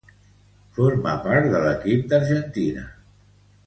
Forma part de l'equip d'Argentina.